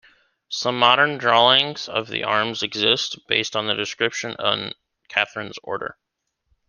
Some modern drawings of the arms exist, based on the description in Catherine's order.